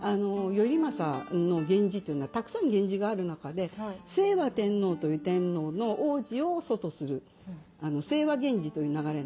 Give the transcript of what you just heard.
頼政の源氏というのはたくさん源氏がある中で清和天皇という天皇の皇子を祖とする清和源氏という流れなんです。